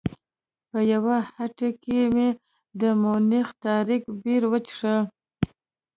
په یوه هټۍ کې مې د مونیخ تاریک بیر وڅښه.